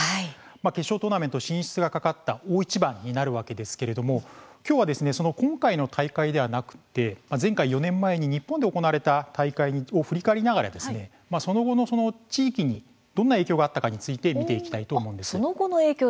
決勝トーナメント進出がかかった大一番になるわけですけれども今日は、今回の大会ではなく前回４年前に日本で行われた大会を振り返りながらその後の地域にどんな影響があったかについて見ていきたいと思います。